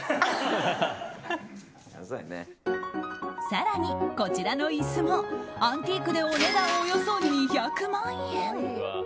更に、こちらの椅子もアンティークでお値段およそ２００万円。